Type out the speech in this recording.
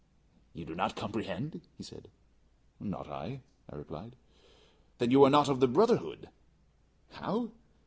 "You do not comprehend?" he said. "Not I," I replied. "Then you are not of the brotherhood." "How?"